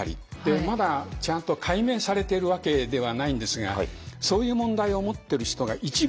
まだちゃんと解明されてるわけではないんですがそういう問題を持ってる人が一部いるんですね。